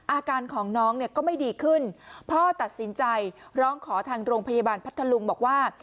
อาการของน้องเนี่ยก็ไม่ดีขึ้นพ่อตัดสินใจร้องขอทางโรงพยาบาลพัทธลุงบอกว่า